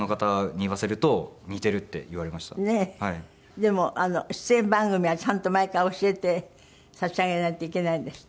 でも出演番組はちゃんと毎回教えてさしあげないといけないんですって？